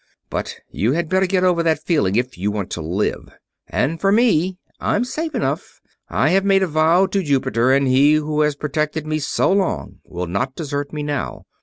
But you had better get over that feeling, if you want to live. As for me, I'm safe enough. I have made a vow to Jupiter, and he who has protected me so long will not desert me now.